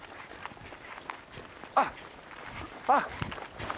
あっあっ。